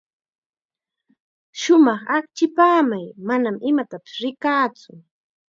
Shumaq achkipamay, manam imatapis rikaatsu.